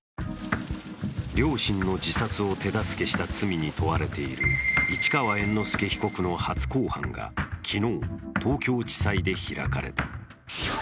両親の自殺を手助けした罪に問われている市川猿之助被告の初公判が昨日東京地裁で開かれた。